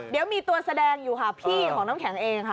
เดี๋ยวมีตัวแสดงอยู่ค่ะพี่ของน้ำแข็งเองค่ะ